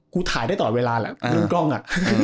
กูถ่ายได้ต่อเวลาแหละเรื่องกล้องอะ